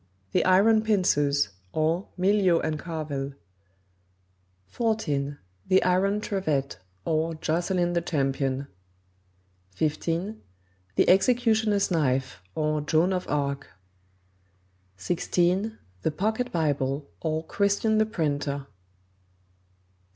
The Iron Pincers; or, Mylio and Karvel; 14. The Iron Trevet; or, Jocelyn the Champion; 15. The Executioner's Knife; or, Joan of Arc; 16. The Pocket Bible; or, Christian the Printer; 17.